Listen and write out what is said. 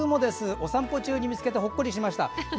お散歩中に見つけてほっこりしました。